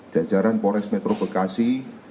jajaran polres metro bekasi